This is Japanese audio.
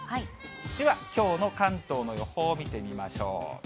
では、きょうの関東の予報を見てみましょう。